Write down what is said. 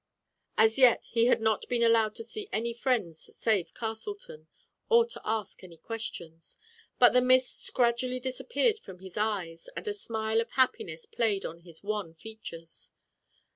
As yet he had not been allowed to see any friends save Castleton, or to ask any questions. But the mists gradually disappeared from his eyes, and a smile of happiness played on his wan features.